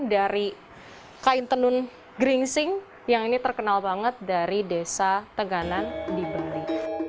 dari kain tenun geringsing yang ini terkenal banget dari desa tenganan di bali